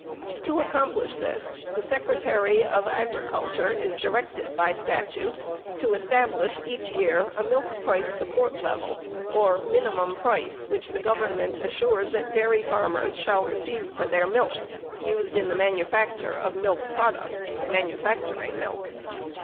(7 U.S.C. 1446.) 35 687 0 74 41 624 Agriculture is directed by statute to establish each year a milk price support level, or minimum price, which the Government assures that dairy farmers shall receive for their milk used in the manufacture of milk products (manufacturing milk).